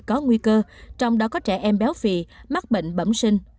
có nguy cơ trong đó có trẻ em béo phì mắc bệnh bẩm sinh